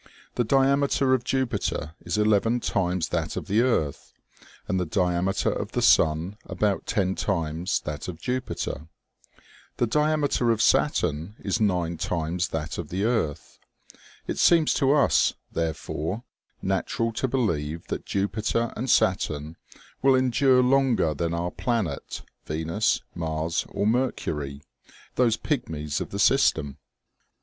The diameter of Jupiter is eleven times that of the earth, and the diameter of the sun about ten times that of Jupiter. The diameter of Saturn is nine times that of the earth. It seems to us, therefore, natural to believe that Jupiter and Saturn will endure longer than our planet, Venus, Mars or Mercury, those pigmies of the system ! OMEGA.